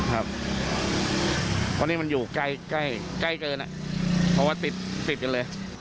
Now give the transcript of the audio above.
เพราะนี่มันอยู่ใกล้ว่าติดติดกันเลย